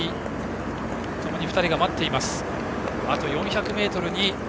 ともに２人が待っています。